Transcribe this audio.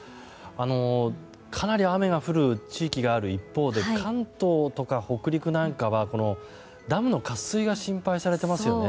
かなり雨が降る地域がある一方で関東とか北陸なんかはダムの渇水が心配されていますよね。